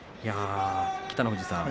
北の富士さん